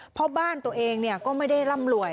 เพราะบ้านตัวเองก็ไม่ได้ร่ำรวย